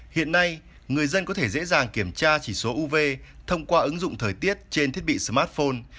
hiện nay người dân có thể dễ dàng kiểm tra chỉ số uv thông qua ứng dụng thời tiết trên thiết bị smartphone